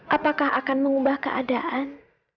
apakah akan mengubah keadaan